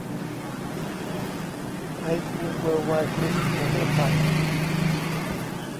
ไทยคูน เวิลด์ไวด์ กรุ๊ป ประเทศไทย